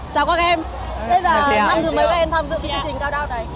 chào các em đây là năm thứ mới các em tham dự cái chương trình cao đao này